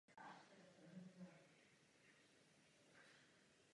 Dalším aspektem týkající se této problematiky je schvalování léčivých přípravků.